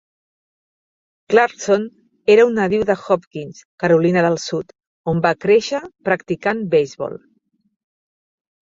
Clarkson era un nadiu de Hopkins, Carolina del Sud, on va créixer practicant beisbol.